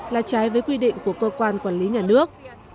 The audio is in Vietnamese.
là trái với quy định của cơ quan quản lý nhà nước